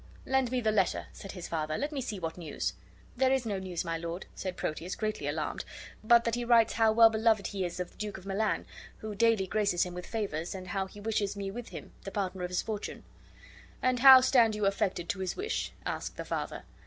"Lend me the letter," said his father. "Let me see what news." "There is no news, my lord," said Proteus, greatly alarmed, "but that he writes how well beloved he is of the Duke of Milan, who daily graces him with favors, and how he wishes me with him, the partner of his fortune." "And how stand you affected to his wish?" asked the father.